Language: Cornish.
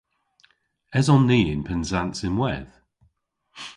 Eson ni yn Pennsans ynwedh?